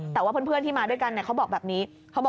แต่ว่าเพื่อนที่มาด้วยกันเขาบอกแบบนี้